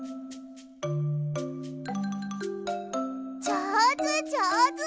じょうずじょうず！